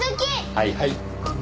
はいはい。